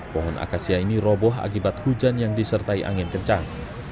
pohon akasia ini roboh akibat hujan yang disertai angin kencang